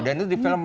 dan itu di film